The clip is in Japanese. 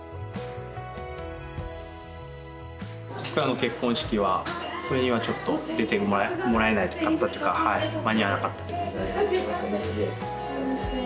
僕らの結婚式はそれにはちょっと出てもらえなかったというか間に合わなかったってことですね。